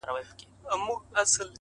احترام اړیکې پیاوړې کوي